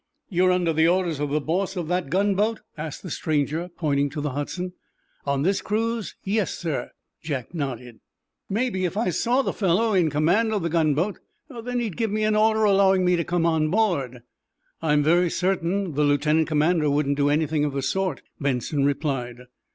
"You're under the orders of the boss of that gunboat?" asked the stranger, pointing to the "Hudson." "On this cruise, yes, sir," Jack nodded. "Maybe, if I saw the fellow in command of the gunboat, then he'd give me an order allowing me to come on board." "I'm very certain the lieutenant commander wouldn't do anything of the sort," Benson responded.